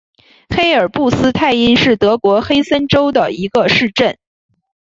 黑尔布斯泰因是德国黑森州的一个市镇。